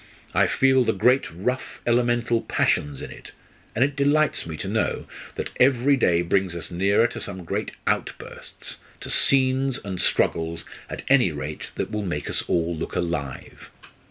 I feel the great rough elemental passions in it, and it delights me to know that every day brings us nearer to some great outburst, to scenes and struggles at any rate that will make us all look alive.